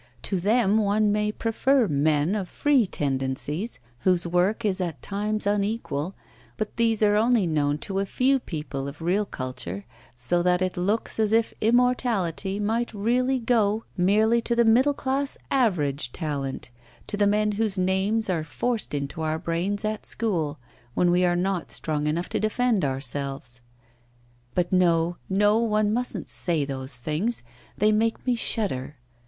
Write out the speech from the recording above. To them one may prefer men of free tendencies, whose work is at times unequal; but these are only known to a few people of real culture, so that it looks as if immortality might really go merely to the middle class "average" talent, to the men whose names are forced into our brains at school, when we are not strong enough to defend ourselves. But no, no, one mustn't say those things; they make me shudder!